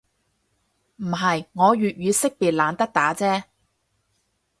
唔係，我粵語識別懶得打啫